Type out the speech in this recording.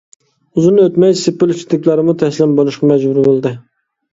ئۇزۇن ئۆتمەي سېپىل ئىچىدىكىلەرمۇ تەسلىم بولۇشقا مەجبۇر بولدى.